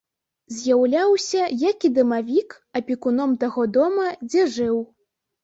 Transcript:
З'яўляўся, як і дамавік, апекуном таго дома, дзе жыў.